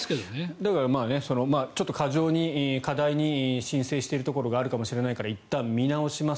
だから、ちょっと過剰に過大に申請しているところがあるかもしれないからいったん見直します。